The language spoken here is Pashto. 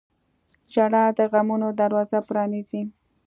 • ژړا د غمونو دروازه پرانیزي.